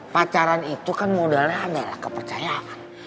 pacaran itu kan modalnya adalah kepercayaan